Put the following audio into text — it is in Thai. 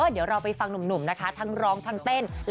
เดี๋ยวเราไปฟังหนุ่มนะคะทั้งร้องทั้งเต้น